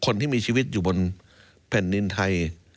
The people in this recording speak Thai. คนที่มีชีวิตอยู่บนแผ่นดินไทย